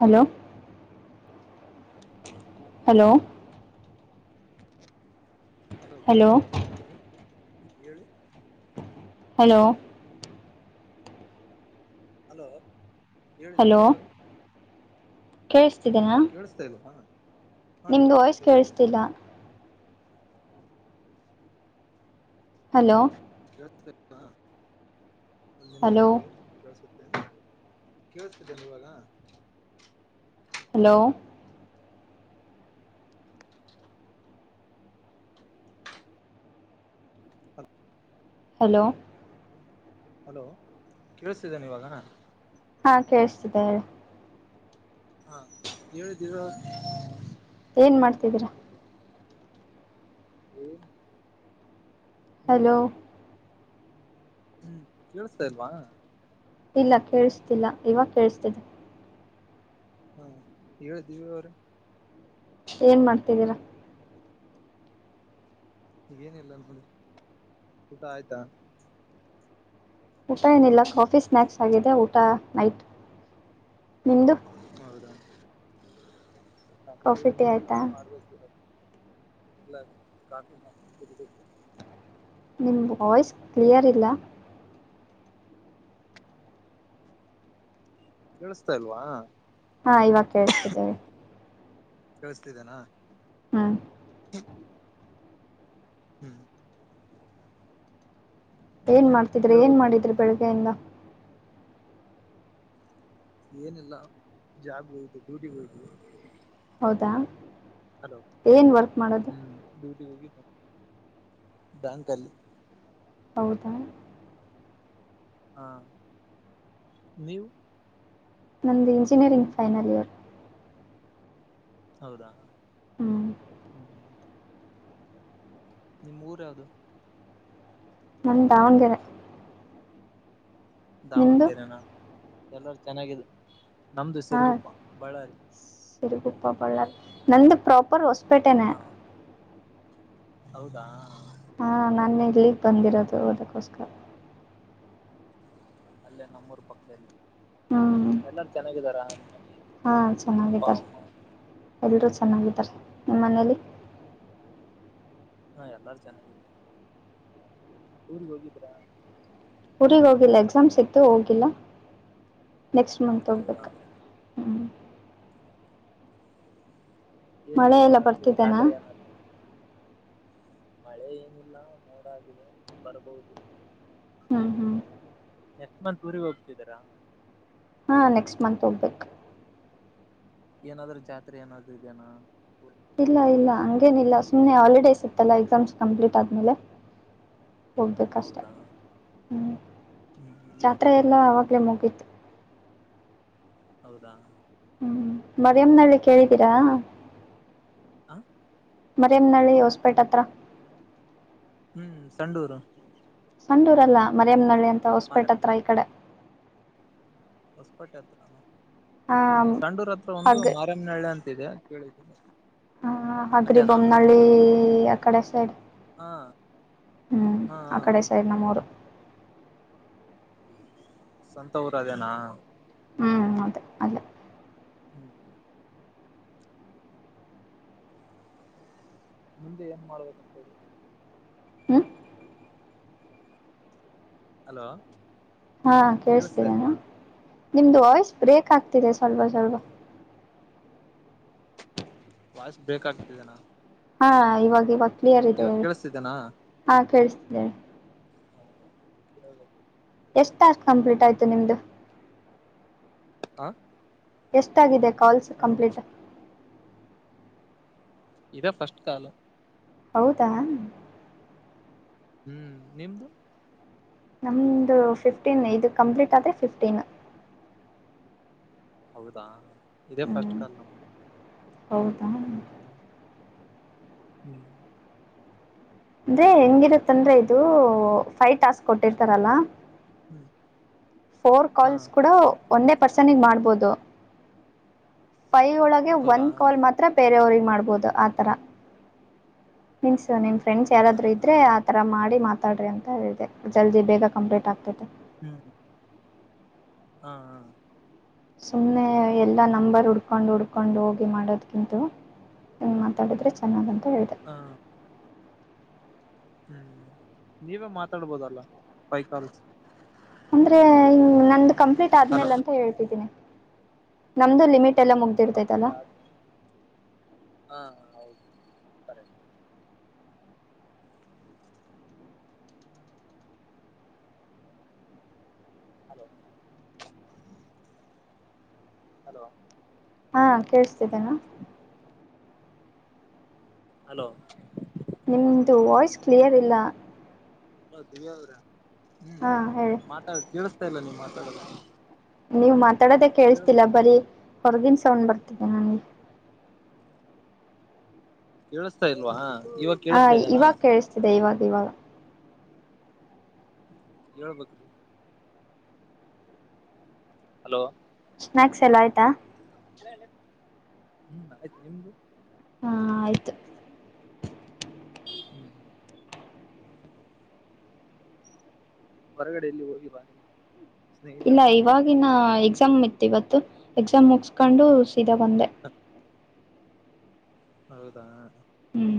Hello? [unintelligible] Hello? [unintelligible] Hello Divya ಅವರ ಮಾತಾಡೋದು ಹೇಳಿ? [unintelligible] ಹಲೋ? [unintelligible] ಹಲೋ ಹೇಳಿ ದಿವ್ಯಾ ಅವರು [unintelligible] ಕೇಳಸ [unintelligible] ಕೇಳಸ್ತಾ ಇಲ್ವಾ? [unintelligible] ಹಾ ನಿಮ್ದು ವಾಯ್ಸ್ ಕೇಳಿಸುತ್ತೆ ಹೇಳಿ ಕೇಳಿಸ್ತಿಲ್ಲ? [unintelligible] ಹಲೋ? [unintelligible] ಹಾ ಒಂದು ನಿಮಿಷ ಹಲೋ ಇರಿ ಕೇಳಸತ [unintelligible] ಕೇಳಿಸ್ತಿದೆ ಏನ್ ಇವಾಗ? [unintelligible] ಹಲೋ? [unintelligible] ಹಲೋ? [unintelligible] ಹಲೋ ಕೇಳಿಸತಿದೆ ಏನ್ ಇವಾಗ? [unintelligible] ಹಾ ಕೇಳಸತ್ತಿದೆ. [unintelligible] ಹಾ ಹೇಳಿ ದಿವ್ಯ [unintelligible] ಏನ್ ಮಾಡ್ತಿದೀರಾ? [unintelligible] ನೀವು? [unintelligible] ಹಲೋ? [unintelligible] ಹು ಕೇಳಸ್ತಾ ಇಲ್ವಾ? [unintelligible] ಇಲ್ಲ ಕೇಳಿಸ್ತಿಲ್ಲ ಇವಗಾ ಕೇಳಿಸ್ತಿದೆ. [unintelligible] ಹಾ ಹೇಳಿ ದಿವ್ಯ ಅವರೇ [unintelligible] ಏನ್ ಮಾಡ್ತಿದ್ದೀರಾ? [unintelligible] ಏನ್ ಇಲ್ಲ ನೋಡಿ ಊಟ ಆಯ್ತಾ? [unintelligible] ಊಟ ಏನ್ ಇಲ್ಲ ಕಾಫಿ ಸ್ನ್ಯಾಕ್ಸ್ ಆಗಿದೆ ಊಟ ನೈಟ್ ನಿಮ್ಮದು? [unintelligible] ಹೌದಾ ನಮ್ದು ಕಾಫಿ ಟೀ ಇನ್ನೂ ಇಲ್ಲ ಆಯ್ತಾ ಮಾಡ್ಬೇಕ ಇವಾಗ [unintelligible] ಇಲ್ಲ ಕಾಫಿ ಮಾಡಿ ಕುಡಿಬೇಕು. [unintelligible] ನಿಮ್ಮ ವಾಯ್ಸ್ ಕ್ಲಿಯರ್ ಇಲ್ಲ? [unintelligible] ಕೇಳಿಸ್ತಾ ಇಲ್ವಾ? [unintelligible] ಹಾ ಇವಾಗ ಕೇಳಿಸ್ತಿದೆ. [unintelligible] ಕೇಳಸ್ತಿದ್ದೇನಾ? [unintelligible] ಹ [unintelligible] [unintelligible] ಹು [unintelligible] ಏನ್ ಮಾಡ್ತಿದ್ರಿ ಏನ್ ಹೇಳ್ಬೇಕು ಮಾಡಿದ್ರಿ ಬೆಳಗ್ಯಿಂದ? [unintelligible] ಏನಿಲ್ಲ ಜಾಬ್ ಹೋಗಿ ಡ್ಯೂಟಿ ಹೋಗಿದ್ವಿ. [unintelligible] ಹೌದಾ? [unintelligible] ಹಲೋ ಏನ್ ವರ್ಕ್ ಮಾಡೋದು ಹೂ ಡ್ಯೂಟಿ ಹೋಗಿ [unintelligible] ಬ್ಯಾಂಕ್ ಅಲ್ಲಿ [unintelligible] ಹೌದಾ? [unintelligible] ಹಾ ನೀವು? [unintelligible] ನಮ್ದ್ ಇಂಜಿನಿಯರಿಂಗ್ ಫೈನಲ್ ಇಯರ್ [unintelligible] ಹೌದಾ? ಹ್ಞೂ [unintelligible] ನಿಮ್ಮ ಊರ ಯಾವದ? [unintelligible] ನಮ್ದ್ ದಾವಣಗೆರೆ? [unintelligible] ನಿಮ್ಮದು ದಾವಣಗೆರೆ ನಾ ಎಲ್ಲಾರೂ ಚೆನ್ನಾಗಿದ ನಮ್ದು ಸಿರಗುಪ್ಪ ಬಳ್ಳಾರಿ [unintelligible] ಸರಿಗುಪ್ಪಾ ಬಳ್ಳಾರಿ ನಂದು ಪ್ರಾಪರ್ ಹೊಸಪೇಟೆ ನೆ ಹಾ [unintelligible] ಹೌದಾ? [unintelligible] ಹಾ ನಾನು ಇಲ್ಲಿ ಬಂದಿರೋದು ಓದಕ್ಕೋಸ್ಕರ? [unintelligible] ಅಲ್ಲೇ ನಮ್ಮೂರ್ ಪಕ್ಕದಲ್ಲಿ ಹ್ಞೂ ಎಲ್ಲಾರು ಚೆನ್ನಾಗಿದರಾ? [unintelligible] ಹಾಂ ಚೆನ್ನಾಗಿದ್ದಾರೀ ಎಲ್ಲರೂ ಚೆನ್ನಾಗಿದ್ದಾರೀ ನಿಮ್ಮ ಮನೇಲಿ ಹಾ ಎಲ್ಲಾರು ಚೆನ್ನಾಗಿದ್ದ ಊರಿಗ್ ಹೋಗಿದ್ರಾ ಊರಿಗ ಹೋಗಿಲ್ಲ ಎಕ್ಸಾಮ್ಸ್ ಇತ್ತು ಹೋಗಿಲ್ಲ ನೆಕ್ಸ್ಟ್ ಮಂತ್ ಹೌದಾ ಹೋಗ್ಬೇಕು ಹ್ಞೂ ಏನು ಮಳೆ ಎಲ್ಲ ಏನಾದ್ರು ಬರ್ತಿದೆನಾ ಜಾತ್ರೆ ಏನಾದ್ರುೂ ಮಳೆ ಏನಿಲ್ಲ ಮೋಡಾಗಿದೆ ಬರ್ಬಹುದು ಹ್ಞೂ ಹ್ಞೂ ಹ್ಮ್ ನೆಸ್ಮನ್ ಊರಿಗೆ ಹೋಗ್ತಿದಾರಾ ಹಾಂ ನೆಕ್ಸ್ಟ್ ಮಂತ್ ಹೋಗ್ಬೇಕು ಏನಾದರು ಜಾತ್ರೆ ನಾದರು ಇದದೆನ ಇಲ್ಲ ಇಲ್ಲ ಏನಿಲ್ಲ ಸುಮ್ನೆ ಹಾಲಿಡೇಸ್ ಇತ್ತಲ್ಲ ಎಕ್ಸಾಮ್ಸ್ ಕಂಪ್ಲೀಟ್ ಆದ್ಮೇಲೆ ಹೋಗ್ಬೇಕಷ್ಟೇ ಹೌದಾ ಹ್ಮ್ ಹ್ಮ್ ಹ್ಮ್ ಜಾತ್ರೆ ಹೇಳ್ಬೇಕ ಎಲ್ಲ ಇನ್ನೇನು ಆಾಗಲೇ ಮುಗಿತ್ತುು ಹೌದಾ ಹ್ಮ್ ಹ್ಮ್ ಮರಿಯಮಲ್ಲಿ ಕೇಳಿದ್ದೀರಾ ಹ ಮರೆಮನಹಳ್ಳಿ ಹೊಸಪೇಟೆ ಹತ್ರ ಹ್ಮ್ ಸಂಡೂರು ಸಂಡೂರಲ್ಲ ಮರಮನಹಳ್ಳಿ ಅಂತ ಮಾರ ಹೊಸಪೇಟೆ ಹತ್ರ ಈ ಕಡೆ ಹತ್ರ ಆ ಇಲ್ಲ ಸಂಡೂರ ಹತ್ರ ಒಂದು ಹಗ್ ಮಾರನಳ್ಳೆ ಅಂತಿದೆ ಕೇಳಿದ್ದೀನಿ ಹ ಹಾಗ್ರಿ ಅದೇನಾ ಬೊಮ್ಮನಹಳ್ಳಿ ಆ ಕಡೆ ಸೈಡ್ ಹಾ ಹ್ಮ್ ಹಾ ಆ ಕಡೆ ಸೈಡ್ ನ ಮೂರು ಸಂತ ಊರ ಅದೇನಾ ಹ್ಮ್ ಅದೇ ಅದ ಹ್ಮ್ ಹ್ಮ ಮುಂದೆ ಏನ್ ಮಾಡ್ಬೇಕಂತ ಹೇಳ ಹ್ಮ ಹಲೋ ಹಾ ಕೇಳಿಸ್ತಾ ಕೇೇಳಸ್ತಿದ್ದ ನ ಇಲ್ವಾ ನಿಮ್ದು ವಾಯ್ಸ್ ಬ್ರೇಕ್ ಆಗ್ತಿದೆ ಸ್ವಲ್ಪ ಹ್ಮ್ ಸ್ವಲ್ಪ ವಸ್ ಬೇಕಾಗಗ್ತಿದೆನಾ ಹಾ ಇವಾಗ ಇವಾಗ ಕ್ಲಿಯರ್ ಇದೆಿ ಕೇಳಿಸ್ತಿದೆನಾ ಹಾ ಕೇಳಿಸತಿದ್ದಿ ಹಾ ಎಷ್ಟುಾರ್ಕ್ ಕಂಪ್ಲೀಟ್ ಆಯ್ತು ನಿಮ್ದು ಹಾ ಎಷ್ಟಾಗಿದೆ ಕಾಲ್ಸ್ ಹಲೋ ಕಂಪ್ಲೀಟ್ ಇದ ಫಸ್ಟ್ ಕಾಲ ಹೌದಾ ಹ್ಮ್ ನಿಮ್ದು ನಮ್ದು ಫಿಫ್ಟೀನ್ ಇದು ಕಂಪ್ಲೀಟ್ ಆದೇ ಫಿಫ್ಟೀನ್ ಹೌದಾ ಇದೇ ಫಸ್ಟ್ ಹ್ಮ್ ಕಾಲ ಉಟ ಹೌದಾ ಹ್ಮ ಹ್ಮ್ ಅಂದ್ರೆ ಹೆಂಗಿರುತ್ತಂದ್ರ ಇದು ಫೈ ಟಾಸ್ಕ್ ಕೊಟ್ಟಿರ್ತಾರಲ್ಲಾ ಹ್ಮ್ ಫೋರ್ ಹಾ ಕಾಲ್ಸ್ ಕೂಡ ಒಂದೇ ಪರ್ಸನ್ಗ್ ಮಾಡ್ಬೋದು ಫೈವ ಒಳಗೆ ಒನ್ ಹೌದಾ ಕಾಲ್ ಮಾತ್ರ ಬೇರೆಯವ್ರಿಗೆ ಮಾಡ್ಬಹದು ಆಥರ ಮನ್ಸ್ ಸೊ ನಿಮ್ ಫ್ರೆಂಡ್ಸ್ ಯಾರಾದ್ರು ಆತರನಾ ಇದ್ರೆ ಆ ತರ ಮಾಡಿ ಮಾತಾಡ್ರಿ ಅಂತ ಹೇಳಿದೆ ಜಲ್ದಿ ಬೇಗ ಕಂಪ್ಲೀಟ್ ಆಗ್ತೈತೆ ಹಾ ಹಾ ಸುಮ್ನೆ ಎಲ್ಲಾ ನಂಬರ್ ಹುಡ್ಕೊಂಡು ಹುಡ್ಕ ಕಕೊಂಡು ಹೋಗಿ ಮಾಡೋದಕ್ಕಿಂತ ಮಾತಾಡಿದ್ರೆ ಚೆನ್ನಾಗಂತ ಹೇಳಿದೆ ಹ ಹ್ಮ್ ನೀವೇ ಮಾತಾಡ್ಬೋದಲ್ಲ ಕೈಕಾಲ್ ಅಂದ್ರೆ ನ ಕಂಪ್ಲೀಟ್ ಹಲೋ ಆದ್ಮೇಲೆ ಅಂತ ಹೇಳ್ತಿದ್ದೀನಿ ನಮ್ದು ಲಮಿಟ್ ಕಂಪ್ಲೀಟ್ ಆದ ಹಾ ಹೌದು ಸರಿ ಹಲೋ ಹಲೋ ಹಾ ಕೇೇಳಸ್ತಿದ್ದೇನಾ ಹಲೋ ನಿಮ್ದ ವಾಯ್ಸ್ ಕ್ಲಿಯರ್ ಇಲ್ಲ ಹಲೋ ದಿವ್ಯಾ ಅವ್ರ ಹ್ಮ್ ಹಾ ಹೇಳಿ ಮಾತಾಡ್ ಕೇಳಿಸ್ತಾ ಇಲ್ಲ ನೀವ್ ಮಾತಾಡಲ್ಲ [inaudible] ನೀವ್ ಮಾತಾಡೋದೇ ಕೇಳಿಸತಿಲ್ಲ ಬರೀ ಹೊರಗಿನ ಸೌಂಡ್ ಬರ್ತದೆ ನನ್ಗೆ ಕೇಳಿಸತಾ ಇಲ್ವಾ ಇವಾಗ ಹಾ ಕೇಳಿಸ್ತಾ ಇದೇನಾ ಇವಾಗ ಕೇಳಿಸ್ತಿದೆ ಇವಾಗ ಇವಾಗ ಹೇಳ್ಬೇಕ್ರಿ [inaudible] ಹಲೋ ಸ್ನಾಯಕ್ಸ್ ಎಲ್ಲ ಆಯ್ತಾ ಹ್ಮ್ ಆಯ್ತು ನಿಮ್ದು ಹಾ ಆಯ್ತು ಹ್ಮ್ ಹ್ಮ್್ಮ [unintelligible] ಹೊರಗಡ ಎೆಯಲ್ಲಿ ಹೋಗಿರುವಾ ನೀಮಗೆ [unintelligible] ಇಲ್ಲ ಇವಾಗಿನ ಎಕ್ಸಾಮ್ ಇತ್ ಇವತ್ತು ಎಕ್ಸಾಮ್ ಮುಗಸ್ಕೊಂಡು ಚಿದಗೊಂಡೆ [unintelligible] ಹೌದಾ ಹ್ಮ್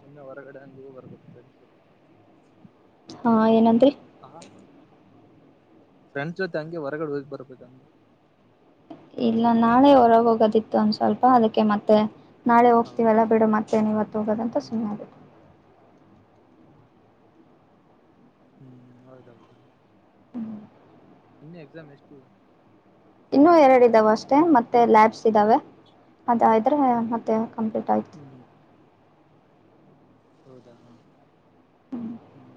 ಸುಮ್ಮನೆ ಹೊರಗಡೆ ಅನುಭವ ಬರ್ಬೇಕಂಡಸ [unintelligible] ಹಾ ಏನನ್ರಿ ಫ್ರೆಂಡ್ಸ್ ಜೊತೆ ಹಂಗೆ ಹೊರಗಡೆ ಹೋಗ್ ಬರ್ಬೇಕಮ ಇಲ್ಲ ನಾಳೆ ಹೊರಗೆ ಹೋಗೋದಿತ್ತು ಒಂದ ಸ್ವಲ್ಪ ಅದಕ್ಕೆ ಮತ್ತೆ ನಾಳೆ ಹೌದಾ ಹೋಗ್ತೀವಲ್ಲಾ ಬಿಡು ಮತ್ತೇನು ಇವತ್ತು ಹೋಗೋದಂತ ಹ್ಮ್ ಸುಮ್ಮನೆತ್ತು ಹ್ಮ್ ಹೌದೌದು ಇನ್ನ ಎಕ್ಸಾಮ್ ಎಷ್ಟು ಇನ್ನುೂ ಎರಡು ಇದ್ದಾವ ಅಷ್ಟೆ ಮತ್ತೆ ಲ್ಯಾಬ್ಸ್ ಇದ್ದಾವೆ ಅದಾದ್ರೆ ಮತ್ತೆ ಕಂಪ್ಲೀಟ್ ಆಯತು ಹ್ಮ್ ಹೌದಾ ಹಾ ಹ್ಮ್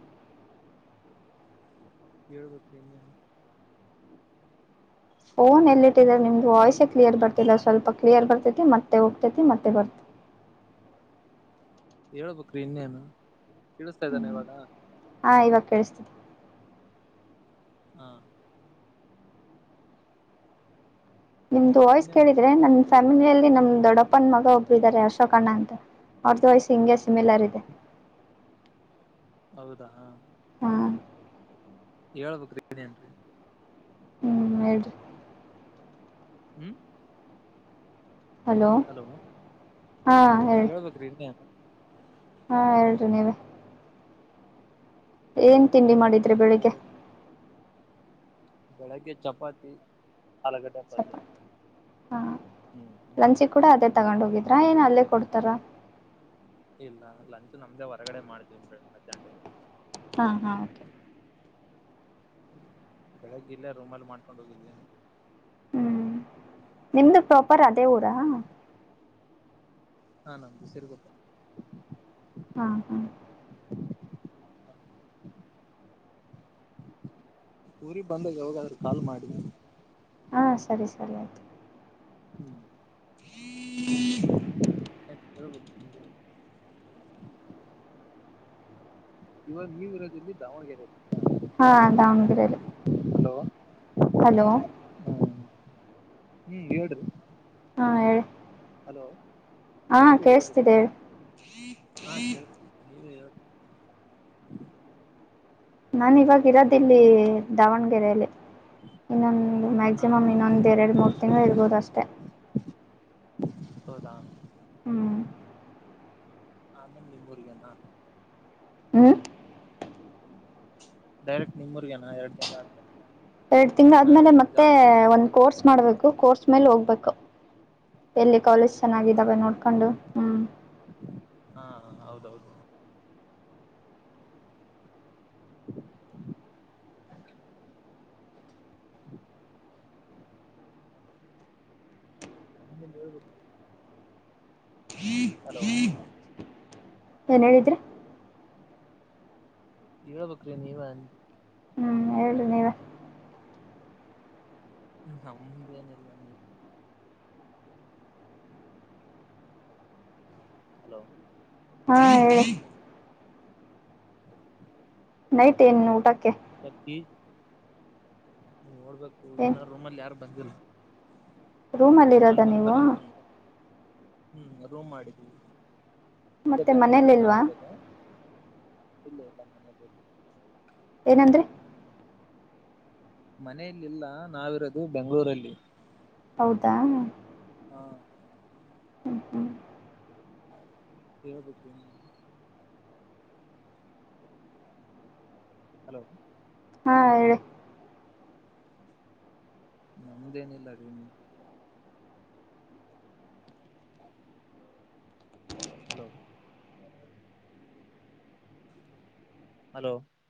ಕೇಳ್ಬೇಕ ನ ಫೋನ್ ಎಲ್ಲಿ ಇಟ್ಟಿದ್ರ ನಿಮ್ದು ಹಲೋ ವಾಯ್ಸೇ ಕ್ಲಿಯರ್ ಬರ್ತಿಲ್ಲ ಸ್ವಲ್ಪ ಕ್ಲಿಯರ್ ಬರ್ತಿ ಮತ್ತೆ ಹೋಗ್ತೇತಿ ಮತ್ತೆ ಬರ್ತೆ ಹೇಳ ಬುಕ್ರೀ ಇನ್ನೇನು ಕೇಳಿಸ್ತಾ ಇದ್ದಾನೆ ಇವಾಗ ಹಾಂ ಇವಾಗ ಕೇಳುಸ್ತಾ ಇದೆ ಹಾ ನಿಮ್ದ ವಾಯ್ಸ್ ಇನ್ನೇನ್ ಮತ್ತೆ ಕೇಳಿದ್ರೆ ನನ್ ಸಮಾಚಾರ ಹೇಳ್ಬೇಕು ಫ್ಯಾಮಿಲಿಯಲ್ಲಿ ನಮ್ ದೊಡ್ಡಪ್ಪನ ಮ ಒಬ್ರುಾರೆ ಅಶೋಕಣ್ಣ ಅಂತ ಅವ್ರ್ದ ವಯಸ್ಸು ಹಿಂಗೆ ಸಿಮಿಲರ್ ಇದೆ ಹೌದಾ ಹಾ ಹೇಳಬೇಕ್ರಿ ಇನ್ನೇನ್ರೀ ಹ್ಮ್ ಹೇಳ್ರಿ ಹ್ಮ್ [unintelligible] ಹಲೋ ಹಾ ಹೇಳಿ ಹೇಳ್ಬೇಕ್ರಿ ಇನು ಹಾ ಹೇಳ್ರಿ ನೀವೆ ಏನ್ ತಿಂಡಿ ಮಾಡಿದ್ರಿ ನಮ್ದೇನಿಲ್ಲ ಬೆಳಿಗ್ಗೆ ಬೆಳಗ್ಗೆ ಚಪಾತಿ ಆಲೂಗಡ್ಡೆ ಪಲ್ಯ ಚಪ್ಪಾತ್ ಹಾ ಹ್ಮ್ ಮಾರ್ ಲಂಚಿ ಕೂಡ ಅದೇ ತಗೊಂಡ್ ಹೋಗಿದ್ರಾ ಏನ್ ಅಲ್ಲೇ ಕೊಡ್ ತ್ತರ ಇಲ್ಲ ಲಂಚ್ ನಮ್ದೇ ಹೊರಗಡೆ ಮಾಡ್ತೀವಿ್ರೆ ಮಧ್ಯಾಹ್ ಟ ಹಾ ಹಾ ಕೆ ಬೆಳಗ್ಗೆ ಇಲ್ಲೇ ರೂಮ್ಲ್ಲಿ ಮಾಡ್ಕೊಂಡ್ ಹೋಗಿದ್ವಿ ಹ್ಮ್ ನಿಮ್ದು ಪ್ರಾಪರ್ ಅದೇ ಊರಾ. ಹಾ ನಮ್ದು ಸಿರಗುಪ್ಪೆ. ಹಾ ಹಾ ಊರಿಗ ಬಂದಾಗ ಯಾವಾಗಾದ್ರೂ ಕಾಲ್ ಮಾಡು. ಹಾ ಸರಿ ಸರಿ ಆಯ್ತು. ಹ್ಮ್ ಹ [unintelligible] ಹೇಳ್ಬೇಕು ನೀವೆ. ಇವಾಗ ನೀವ ಇರೋದ ಎಲ್ಲಿ ದಾವಣಗೆರೆಯಲ್ಲಾ. ಹಾ ದಾವಣಗೆರೆಲ್ಲಿ. ಹಲೋ ಹಲೋ ಹ್ಮ್ ಹೇಳ್ರಿ. ಹ ಹೇಳ. ಹಲೋ ನೀವೆ ಹೇಳ್ಬೇಕ ಹೇಳಿ ಹಾ ಕಳಸ್ತಿದೆ ನೀವೆ ಹೇಳ್ ನಾನ್ ಇವಾಗ ಇರೋದ ಇಲ್ಲಿ ದಾವಣಗೆರೆಯಲ್ಲಿ. ಇನ್ನೊಂದು ಹಾ ಮ್ಯಾಕ್ಸಿಮಮ್ ಇನ್ನೊಂದೆರಡು ಮೂರು ತಿಂಗಳು ಇರ್ಬೋದು ಅಷ್ಟೆ. ಹೌದಾ ಹ್ಮ್ ಆಮೇಲ್ ನಿಮ್ಮೂರಿಗೇನಾ. ಹ್ಮ್ ಡೈರೆಕ್ಟ್ ನಿಮ್ಮೂರ್ಗೇನಾ ಎರಡ್ ತಿಂಗ್ಳ ಆದಮೇಲೆ. ಎರಡ್ ತಿಂಗಳ ಆದ್ಮೇಲೆ ಮತ್ತೆ ಒಂದ್ ಮಾಡ್ಬೇಕು ಕೋರ್ಸ್ ಮಾಡ್ಬೇಕು ಕೋರ್ಸ್ ಮೇಲೆ ಹೋಗ್ ಬೇಕು ಎಲ್ಲಿ ಕಾಲೇಜ್ ಹೌದಾ ಚೆನ್ನಾಗಿದ್ದಾವೆ ನೋಡ್ಕೊಂಡು ಹ್ಮ್. ಹಾ ಹ್ ಹೌದೌದು. [inaudible] ಇನ್ನೇನ್ ಹೇಳ್ಬೇಕು. ಹಲೋ ಏನ್ ಹೇಳಿದ್ರಿ. ಹೇಳ್ಬೇಕ್ರಿ ನೀವ ಅಂದ ಹೇಳ್ರಿ ನೀವೆ ಹ್ಮ ನಮ್ಮದೇನ ಇಲ್ಲ ನಿಮ್ಮದೆ ಹಲೋ ಹಾ ಹೇಳ. ನೈಟ್ ಏನ್ ಊಟಕ್ಕೆ. ತತ್ತಿ ನೋಡ್ಬೇಕು ಏನ್ ಇನ್ನ ರೂಮಲ್ಲಿ ಯಾರು. ಬಂದಿಲ್ಲ. ರೂಮಲ್ಲಿ ಇರೋದ ನೀವು. ಹ್ಮ್ ರೂಮ್ ಮಾಡಿದಿವಿ ಇಲ್ಲ ಮತ್ತೆ ಮನೇಲಿ ಬೆಂಗ್ಳೂರಲ್ಲಿ ಇಲ್ವಾ ನಾವಿರೋದು. ಇಲ್ಲ ಇಲ್ಲ ಮನೇಲಿ ಇಲ್ಲ. ಏನಂದ್ರಿ. ಮನೆಯಲ್ಲಿಲ್ಲ ನಾವಿರೋದು ಬೆಂಗಳೂರಲ್ಲಿ. ಹೌದಾ ಹಾ ಹ್ಮ್ ಹ್ಮ್ ಹೇಳ್ಬೇಕ ಏನ್ ನೀವೆ. ಹಲೋ ಹಾ ಹೇಳಿ ನಮ್ದೇನಿಲ್ಲರಿ ನೀವೆ ಹಲೋ ಹಲೋ